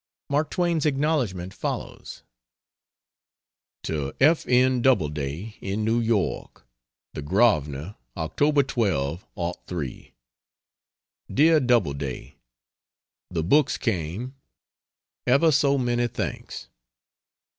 Mark Twain's acknowledgment follows. To F. N. Doubleday, in New York: THE GROSVENOR, October 12, '03. DEAR DOUBLEDAY, The books came ever so many thanks.